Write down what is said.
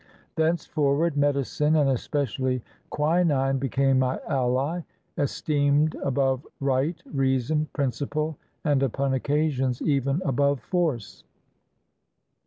Thenceforward medicine, and especially qui nine, became my ally, esteemed above right, reason, principal, and, upon occasions, even above force.